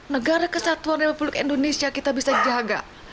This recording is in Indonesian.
negara kesatuan republik indonesia kita bisa jaga